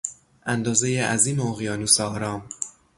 اندازهی عظیم اقیانوس آرام